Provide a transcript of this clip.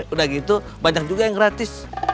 udah gitu banyak juga yang gratis